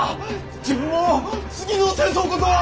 自分も次の戦争こそは！